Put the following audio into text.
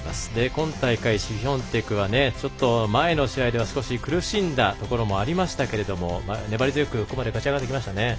今大会、シフィオンテクは前の試合では少し苦しんだところもありましたけれども粘り強く、ここまで勝ち上がってきましたね。